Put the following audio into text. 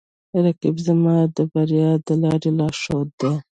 رقیب زما د بریا د لارې لارښود دی